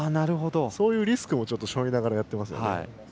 そういうリスクを背負いながらやっていますね。